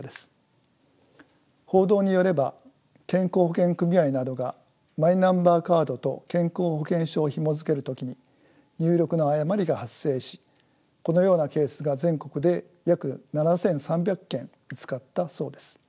報道によれば健康保険組合などがマイナンバーカードと健康保険証をひもづける時に入力の誤りが発生しこのようなケースが全国で約７，３００件見つかったそうです。